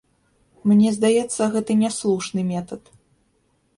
Мне здаецца, гэта няслушны метад.